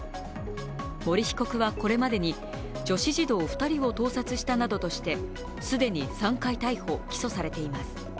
森被告はこれまでに女子児童２人を盗撮したなどとして既に３回、逮捕・起訴されています。